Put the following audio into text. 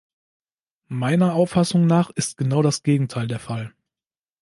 Meiner Auffassung nach ist genau das Gegenteil der Fall.